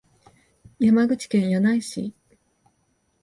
山口県柳井市